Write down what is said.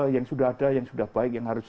yang sudah ada yang sudah baik yang harus